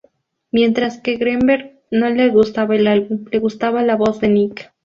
Mientras que Greenberg no le gustaba el álbum, le gustaba la voz de Nick.